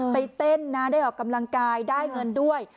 เต้นนะได้ออกกำลังกายได้เงินด้วย